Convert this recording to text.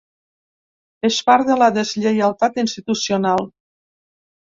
És part de la deslleialtat institucional.